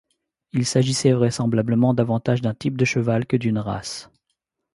Il s'agissait vraisemblablement davantage d'un type de cheval que d'une race.